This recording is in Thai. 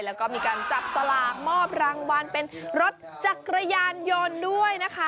แล้วก็มีการจับสลากมอบรางวัลเป็นรถจักรยานยนต์ด้วยนะคะ